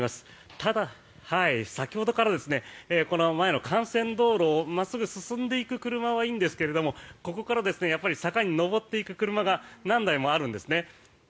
ただ、先ほどからこの前の幹線道路を真っすぐ進んでいく車はいいんですがここから坂に上っていく車が何台もあるんですね。